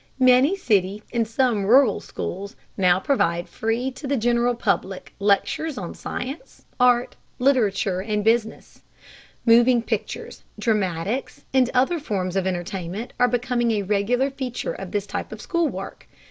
Many city and some rural schools now provide free to the general public lectures on science, art, literature, and business. Moving pictures, dramatics, and other forms of entertainment are becoming a regular feature of this type of school work.